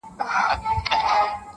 له کهاله مي دي راوړي سلامونه-